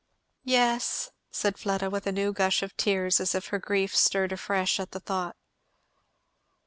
"Yes," said Fleda, with a new gush of tears, as if her grief stirred afresh at the thought.